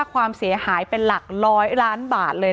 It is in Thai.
อ๋อเจ้าสีสุข่าวของสิ้นพอได้ด้วย